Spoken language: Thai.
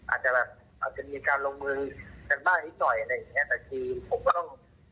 อาจจะมีการลงมือจากบ้านนี้หน่อยแต่ทีผมก็ต้อง